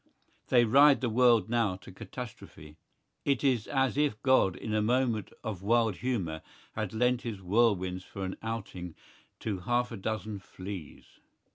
They ride the world now to catastrophe. It is as if God in a moment of wild humour had lent his whirlwinds for an outing to half a dozen fleas.